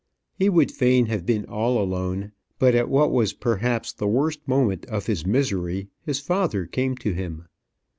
He would fain have been all alone; but at what was perhaps the worst moment of his misery, his father came to him.